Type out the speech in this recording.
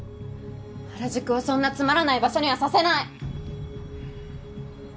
原宿をそんなつまらない場所にはさせない！